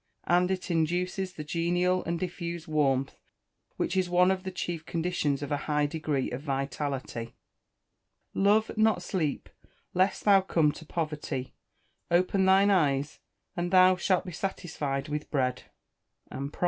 And it induces that genial and diffused warmth, which is one of the chief conditions of a high degree of vitality. [Verse: "Love not sleep lest thou come to poverty: open thine eyes, and thou shalt be satisfied with bread." PROV.